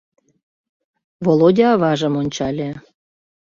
Володя аважым ончале.